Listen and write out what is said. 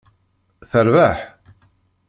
Terbeḥ?